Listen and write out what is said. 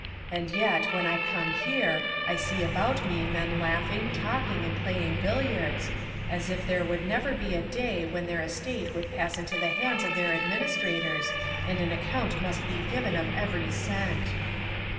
And yet when I come here I see about me men laughing, talking, and playing billiards, as if there would never be a day when their estate would pass into the hands of their administrators and an account must be given of every cent."